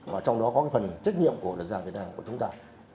và trong đó có phần trách nhiệm của luật giao việt nam của chúng ta